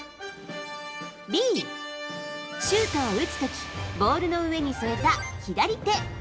Ｂ、シュートを打つ時ボールの上に添えた左手。